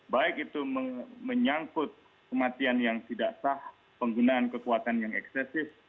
baik itu menyangkut kematian yang tidak sah penggunaan kekuatan yang eksesif